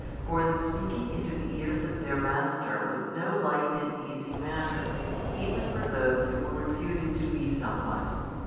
For the speaking into the ears of their Master was no light and easy matter, even for those who were reputed to be somewhat.